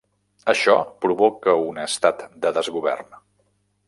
Això provoca un estat de desgovern.